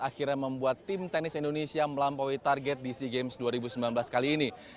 akhirnya membuat tim tenis indonesia melampaui target di sea games dua ribu sembilan belas kali ini